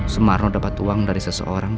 sumarno dapat uang dari seseorang